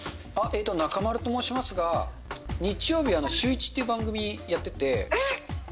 えっと、中丸と申しますが、日曜日、シューイチっていう番組やってて。